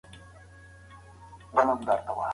دریم باور: د ګنجیتوب هېڅ درملنه نشته.